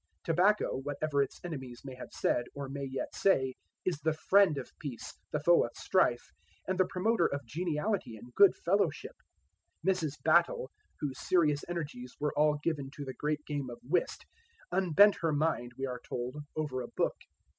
Tobacco, whatever its enemies may have said, or may yet say, is the friend of peace, the foe of strife, and the promoter of geniality and good fellowship. Mrs. Battle, whose serious energies were all given to the great game of whist, unbent her mind, we are told, over a book.